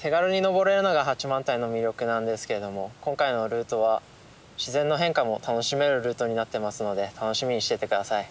手軽に登れるのが八幡平の魅力なんですけれども今回のルートは自然の変化も楽しめるルートになってますので楽しみにしてて下さい。